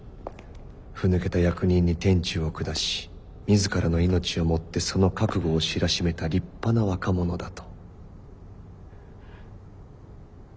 ふぬけた役人に天誅を下し自らの命をもってその覚悟を知らしめた立派な若者だと。